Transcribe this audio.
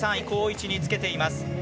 好位置につけています。